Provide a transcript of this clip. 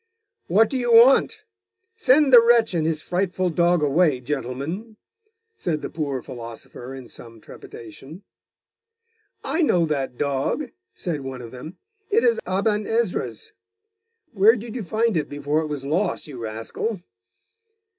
'What do you want? Send the wretch and his frightful dog away, gentlemen!' said the poor philosopher in some trepidation. 'I know that dog,' said one of them; 'it is Aben Ezra's. Where did you find it before it was lost, you rascal.